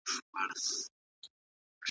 هغه به په عاجزۍ سره ژوند وکړئ.